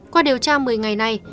qua điều tra một mươi ngày nay